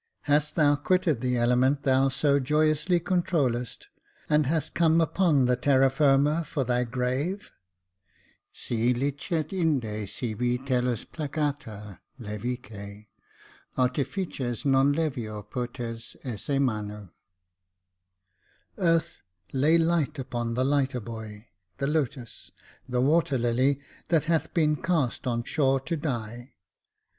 Hast thou quitted the element thou so joyously controUedst, and hast come upon the terra firma for thy grave ?' Si licet inde sibi tellus placata, levique, Artifices non levior potes esse manu.' Earth, lay light upon the lighter boy — the lotus, the water lily, that hath been cast on shore to die.